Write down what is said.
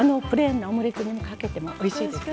プレーンな卵にかけてもおいしいですよ。